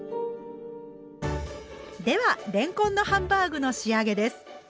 ではれんこんのハンバーグの仕上げです。